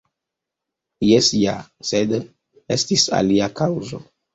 Jes ja, sed estis alia kaŭzo.